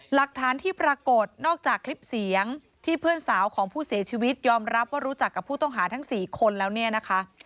หลักฐานที่ปรากฏนอกจากคลิปเสียงที่เพื่อนสาวของผู้เสียชีวิตยอมรับว่ารู้จักกับผู้ต้องหาทั้ง๔คนแล้วเนี่ยนะคะ